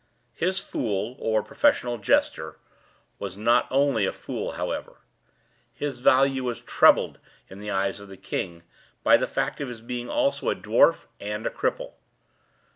His fool, or professional jester, was not only a fool, however. His value was trebled in the eyes of the king, by the fact of his being also a dwarf and a cripple.